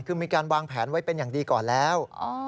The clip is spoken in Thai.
คือมีการวางแผนไว้เป็นอย่างดีก่อนแล้ว